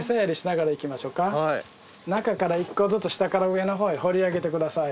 中から１個ずつ下から上のほうへ放り上げてください。